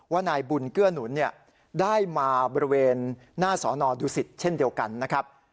นายบุญเกื้อหนุนได้มาบริเวณหน้าสอนอดุสิตเช่นเดียวกันนะครับ